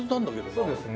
そうですね。